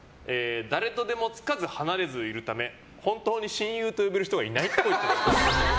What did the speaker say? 誰とでもつかず離れずいるため本当に親友と呼べる人がいないっぽい。